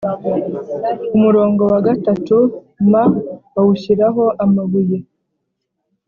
Umurongo wa gatatu m bawushyiraho amabuye